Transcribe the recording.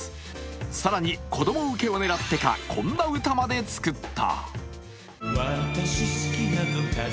更に子供ウケを狙ってかこんな歌まで作った。